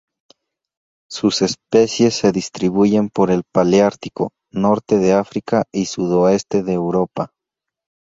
Sus especies se distribuyen por el paleártico: norte de África y sudoeste de Europa.